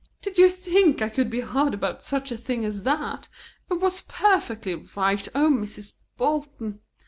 "Did you think I could be hard about such a thing as that? It was perfectly right. O Mrs. Bolton!"